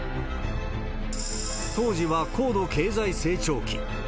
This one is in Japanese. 当時は高度経済成長期。